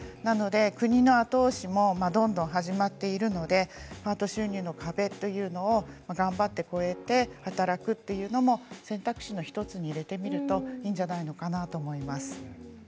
国の後押しも、どんどん始まっているのでパート収入の壁というのを頑張って越えて働くというのも選択肢の１つに入れてみるといいんじゃないかなと思います。